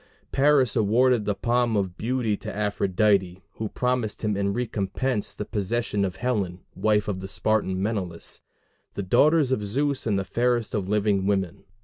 Paris awarded the palm of beauty to Aphrodite, who promised him in recompense the possession of Helen, wife of the Spartan Menelaus, the daughter of Zeus and the fairest of living women.